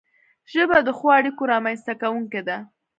ژبه د ښو اړیکو رامنځته کونکی ده